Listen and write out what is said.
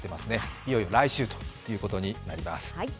いよいよ来週ということになります。